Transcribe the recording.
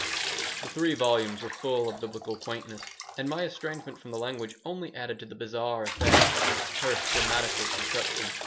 '" The three volumes were full of Biblical quaintness, and my estrangement from the language only added to the bizarre effect of its terse grammatical construction.